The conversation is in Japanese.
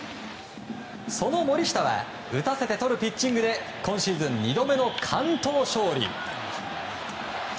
その森下は打たせてとるピッチングで今シーズン２度目の完投勝利！